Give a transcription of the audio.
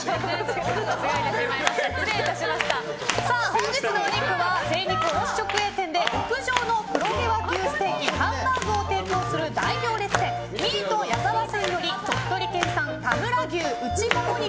本日のお肉は精肉卸直営店で極上の黒毛和牛ステーキハンバーグを提供する大行列店ミート矢澤さんより鳥取県産田村牛、内モモ肉